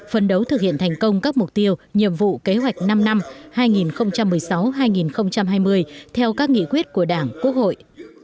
phân đấu thực hiện thành công các mục tiêu nhiệm vụ kế hoạch năm năm hai nghìn một mươi sáu hai nghìn hai mươi theo các nghị quyết của đảng quốc hội